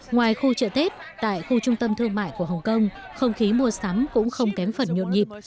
ngoài khu chợ tết tại khu trung tâm thương mại của hồng kông không khí mua sắm cũng không kém phần nhộn nhịp